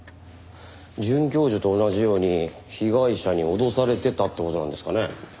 准教授と同じように被害者に脅されてたって事なんですかね？